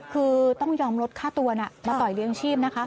คือต้องยอมลดค่าตัวมาปล่อยเลี้ยงชีพนะคะ